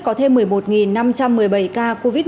có thêm một mươi một năm trăm một mươi bảy ca covid một mươi chín